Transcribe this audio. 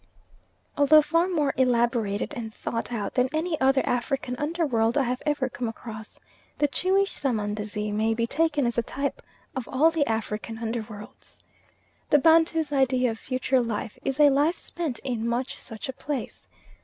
Although far more elaborated and thought out than any other African underworld I have ever come across, the Tschwi Srahmandazi may be taken as a type of all the African underworlds. The Bantu's idea of a future life is a life spent in much such a place.